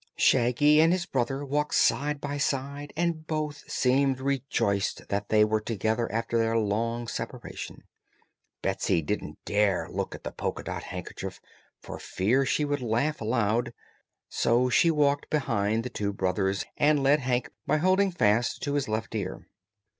Shaggy and his brother walked side by side and both seemed rejoiced that they were together after their long separation. Betsy didn't dare look at the polka dot handkerchief, for fear she would laugh aloud; so she walked behind the two brothers and led Hank by holding fast to his left ear.